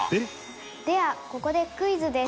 「ではここでクイズです」